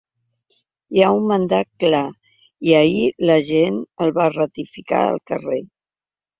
Hi ha un mandat clar, i ahir la gent el va ratificar al carrer.